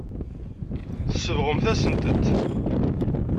Tsebɣemt-asent-tent.